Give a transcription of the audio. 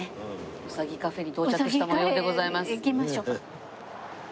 うさぎカフェに到着した模様でございます。